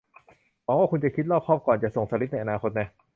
หวังว่าคุณจะคิดรอบคอบก่อนจะส่งสลิปในอนาคตนะ